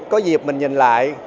có dịp mình nhìn lại